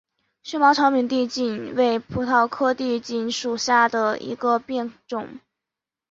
锈毛长柄地锦为葡萄科地锦属下的一个变种。